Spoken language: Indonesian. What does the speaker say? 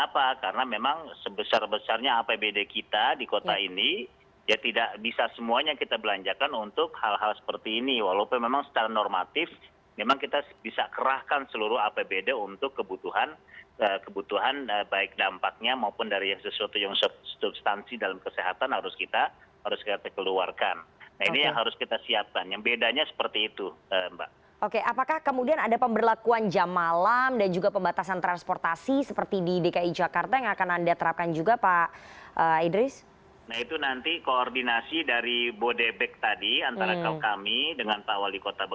perbatasannya harus sama harus sama antara dki dengan kb